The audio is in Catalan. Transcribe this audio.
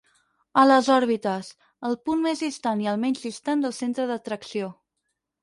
A les òrbites, el punt més distant i el menys distant del centre d'atracció.